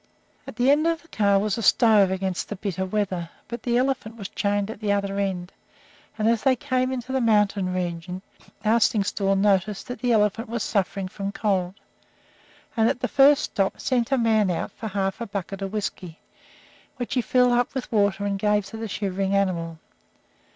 At one end of the car was a stove against the bitter weather, but the elephant was chained at the other end, and as they came into the mountain region Arstingstall noticed that the elephant was suffering from cold, and at the first stop sent a man out for half a bucket of whisky, which he filled up with water and gave to the shivering animal.